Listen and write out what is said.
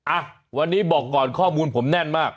อ่ะวันนี้บอกก่อนข้อมูลผมแน่นมาก